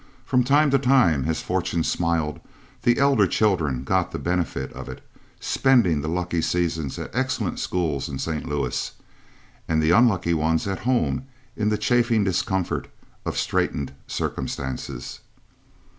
From time to time, as fortune smiled, the elder children got the benefit of it, spending the lucky seasons at excellent schools in St. Louis and the unlucky ones at home in the chafing discomfort of straightened circumstances.